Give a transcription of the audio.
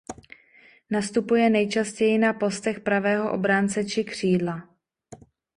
Nastupuje nejčastěji na postech pravého obránce či křídla.